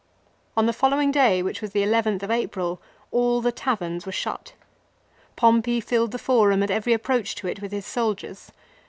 On the following day, which was the llth of April, all the taverns were shut. Pompey filled the Forum and every approach to it with his soldiers.